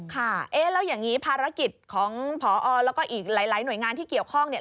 ค่ะเอ๊ะแล้วอย่างนี้ภารกิจของพอแล้วก็อีกหลายหน่วยงานที่เกี่ยวข้องเนี่ย